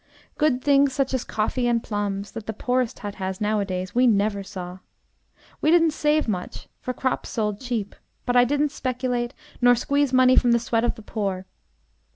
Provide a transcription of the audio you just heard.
Good things such as coffee and plums, that the poorest hut has now a days, we never saw. We didn't save much, for crops sold cheap. But I didn't speculate, nor squeeze money from the sweat of the poor.